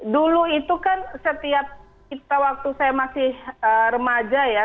dulu itu kan setiap waktu saya masih remaja ya